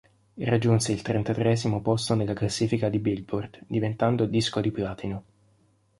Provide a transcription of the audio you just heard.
Raggiunse il trentatreesimo posto nella classifica di "Billboard", diventando disco di platino.